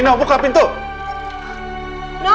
noh buka pintunya noh